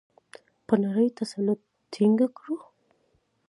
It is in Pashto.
په نړۍ تسلط ټینګ کړو؟